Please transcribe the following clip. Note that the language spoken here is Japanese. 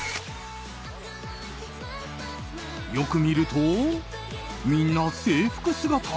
よく見ると、みんな制服姿？